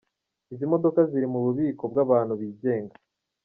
Izi modoka ziri mu bubiko bw’abantu bigenga.